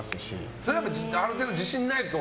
それはある程度自信がないと。